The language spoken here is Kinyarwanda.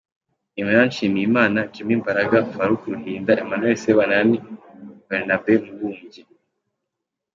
Imran Nshimiyimana, Jimmy Mbaraga, Farouk Ruhinda, Emmanuel Sebanani, Barnabe Mubumbyi.